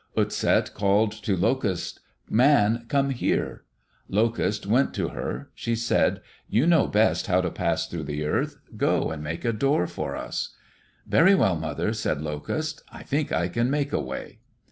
Utset called to Locust, "Man, come here." Locust went to her. She said, "You know best how to pass through the earth. Go and make a door for us." "Very well, mother," said Locust. "I think I can make a way."